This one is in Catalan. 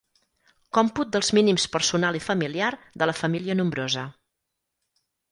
Còmput dels mínims personal i familiar de la família nombrosa.